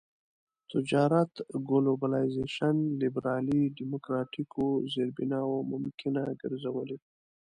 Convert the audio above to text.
تجارت ګلوبلایزېشن لېبرالي ډيموکراټيکو زېربناوو ممکنه ګرځولي.